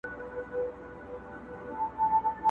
او که داسي لاره راغله عاقبت چي یې بېلتون وي!.